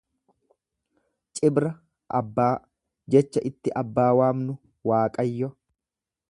Cibra abbaa, jecha ittii abbaa waamnu. Waaqayyo.